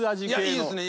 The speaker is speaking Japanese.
いいですね。